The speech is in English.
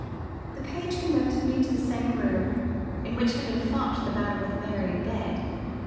The page conducted me to the same room in which had been fought the battle with Mary in bed.